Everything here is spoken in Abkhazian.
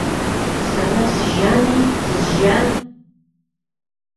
Сара сжьами, сжьа?